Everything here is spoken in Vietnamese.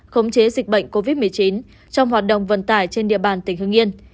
khống chế dịch bệnh covid một mươi chín trong hoạt động vận tải trên địa bàn tỉnh hương yên